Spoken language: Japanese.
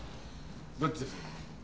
どっちです？